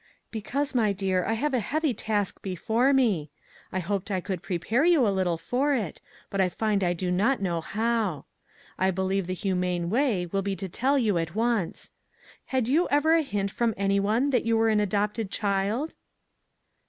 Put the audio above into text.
" Because, my dear, I have a heavy task be fore me. I hoped I could prepare you a little for it, but I find I do not know how. I believe the humane way will be to tell you at once. 398 WHAT ELSE COULD ONE DO ?" Had you ever a hint from any one that you were an adopted child?